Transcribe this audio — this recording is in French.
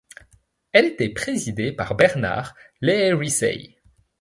Elle était présidée par Bernard Lehericey.